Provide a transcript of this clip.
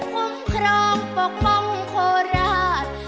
คุ้มครองปกป้องโคราช